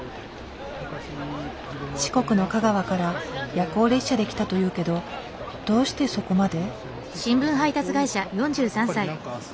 四国の香川から夜行列車で来たというけどどうしてそこまで？